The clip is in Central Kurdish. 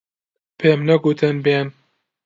پێم نەگوتن بێن.